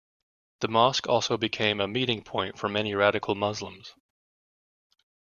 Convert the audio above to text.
The mosque also became a meeting point for many radical Muslims.